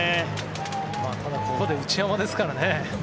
ただ、ここで内山ですからね。